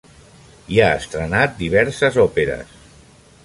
I ha estrenat diverses òperes.